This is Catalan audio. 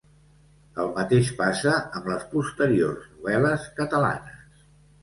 El mateix passa amb les posteriors novel·les catalanes.